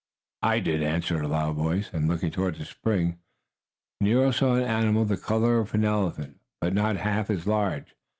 "I did!" answered a loud voice, and, looking toward the spring, Nero saw an animal the color of an elephant, but not half as large.